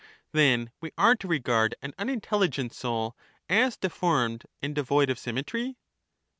Then we are to regard an unintelligent soul as de formed and devoid of symmetry